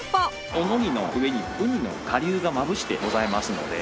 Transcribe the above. お海苔の上にうにの顆粒がまぶしてございますので。